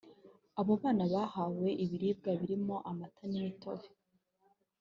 Abo bana bahawe ibiribwa birimo amata n’imitobe